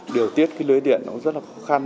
điều tiết cái lưới điện nó cũng rất là khó khăn